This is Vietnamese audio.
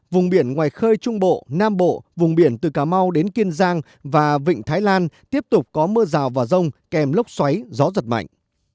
vùng biển ngoài khơi trung bộ nam bộ vùng biển từ cà mau đến kiên giang và vịnh thái lan tiếp tục có mưa rào và rông kèm lốc xoáy gió giật mạnh